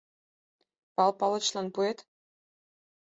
— Пал Палычлан пуэт.